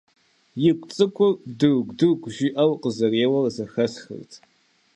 И гу цӀыкӀур «дыргу-дыргу» жиӀэу къызэреуэр зэхэсхырт.